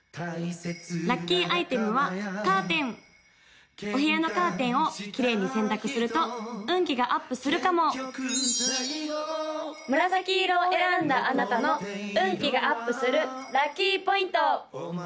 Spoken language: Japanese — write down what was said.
・ラッキーアイテムはカーテンお部屋のカーテンをきれいに洗濯すると運気がアップするかも紫色を選んだあなたの運気がアップするラッキーポイント！